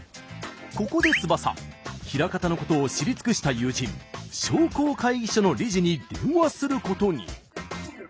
ここで翼枚方のことを知り尽くした友人商工会議所の理事に電話することに。